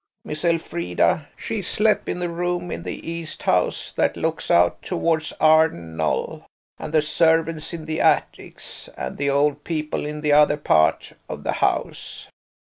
Miss Elfrida, she slep' in the room in the East House that looks out towards Arden Knoll, and the servants in the attics, and the old people in the other part of the house.